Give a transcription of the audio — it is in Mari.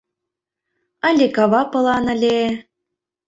Але кава пылан ыле...